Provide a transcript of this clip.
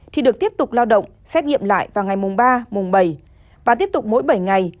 thì được tiếp tục lao động xét nghiệm lại vào ngày mùng ba mùng bảy và tiếp tục mỗi bảy ngày